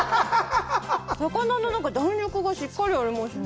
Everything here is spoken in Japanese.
魚の弾力がしっかりありますね。